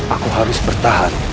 aku harus bertahan